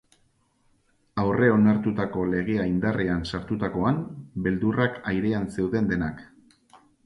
Aurreonartutako legea indarrean sartutakoan, beldurrak airean zeuden denak.